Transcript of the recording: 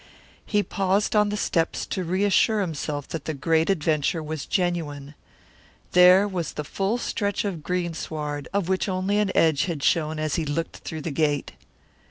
He paused on the steps to reassure himself that the great adventure was genuine. There was the full stretch of greensward of which only an edge had shown as he looked through the gate.